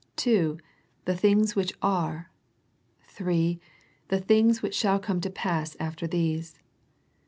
ii. " The things which are." iii. "The things which shall come to pass after these."